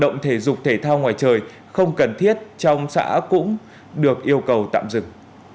người không cần thiết trong xã cũng được yêu cầu tạm dừng